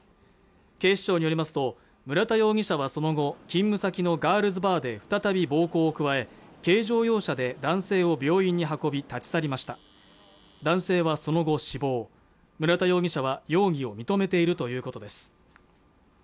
警視庁によりますと村田容疑者はその後勤務先のガールズバーで再び暴行を加え軽乗用車で男性を病院に運び立ち去りました男性はその後死亡村田容疑者は容疑を認めているということです